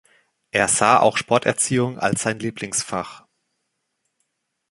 Er sah auch Sporterziehung als sein Lieblingsfach.